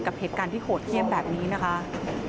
กับเหตุการณ์ที่โหดเยี่ยมแบบนี้นะคะ